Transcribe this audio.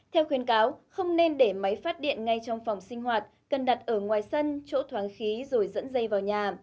theo khuyên cáo không nên để máy phát điện ngay trong phòng sinh hoạt cần đặt ở ngoài sân chỗ thoáng khí rồi dẫn dây vào nhà